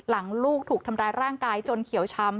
ลูกถูกทำร้ายร่างกายจนเขียวช้ำ